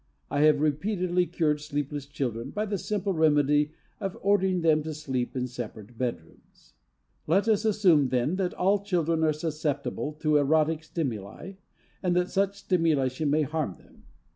I have repeatedly cured sleepless children by the simple remedy of ordering them to sleep in separate bedrooms. Let us assume then that all children are susceptible to erotic stimuli and that such stimulation may harm them.